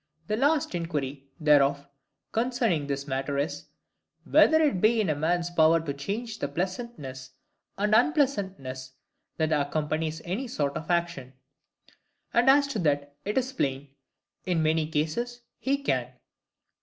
The last inquiry, therefore, concerning this matter is,—Whether it be in a man's power to change the pleasantness and unpleasantness that accompanies any sort of action? And as to that, it is plain, in many cases he can.